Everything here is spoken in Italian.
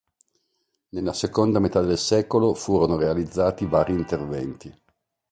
Nella seconda metà del secolo furono realizzati vari interventi.